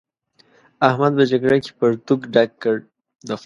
احمد په جګړه کې پرتوګ ډک کړ.